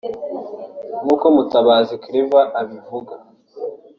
nk’uko Mutabazi Claver abivuga